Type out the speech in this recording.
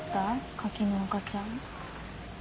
カキの赤ちゃん。